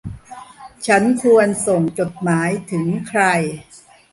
ฉันควรส่งจดหมายถึงใคร